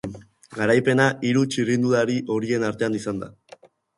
Garaipena hiru txirrindulari horien artean izan da.